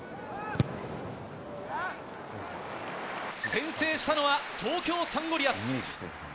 先制したのは、東京サンゴリアス。